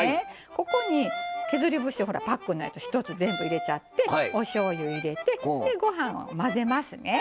ここに、削り節パックのやつ、１つ全部入れちゃって、おしょうゆを入れて、ご飯を混ぜますね。